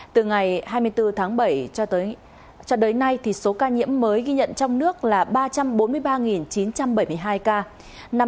từ ngày hai mươi bốn tháng bảy cho đến nay số ca nhiễm mới ghi nhận trong nước là ba trăm bốn mươi ba chín trăm bảy mươi hai ca